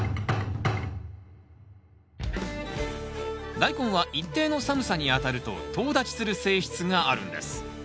ダイコンは一定の寒さにあたるととう立ちする性質があるんです。